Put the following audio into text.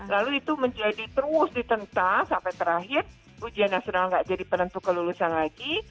lalu itu menjadi terus ditentang sampai terakhir ujian nasional nggak jadi penentu kelulusan lagi